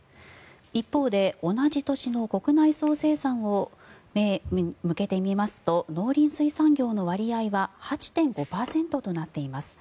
一方で同じ年の国内総生産に目を向けてみますと農林水産業の割合は８．５％となっています。